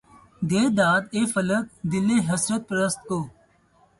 دے داد اے فلک! دلِ حسرت پرست کو